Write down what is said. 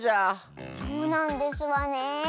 そうなんですわねえ。